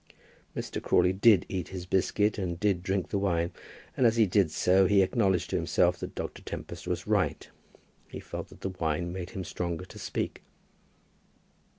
Mr. Crawley did eat the biscuit and did drink the wine, and as he did so, he acknowledged to himself that Dr. Tempest was right. He felt that the wine made him stronger to speak.